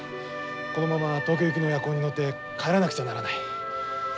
このまま東京行きの夜行に乗って帰らなくちゃならない。